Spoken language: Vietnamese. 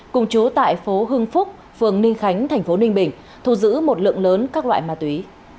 cùng chú tại phố hương phúc phường ninh khánh tp ninh bình thu giữ một lượng lớn các loại ma túy